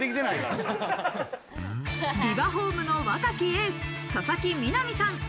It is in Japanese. ビバホームの若きエース、佐々木実奈美さん。